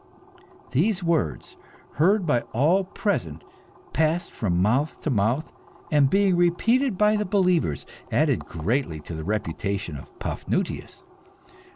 These words, heard by all present, passed from mouth to mouth, and being repeated by the believers, added greatly to the reputation of Paphnutius.